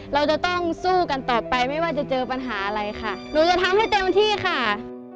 เราจะต้องสู้กันต่อไปไม่ว่าจะเจอปัญหาอะไรค่ะหนูจะทำให้เต็มที่ค่ะ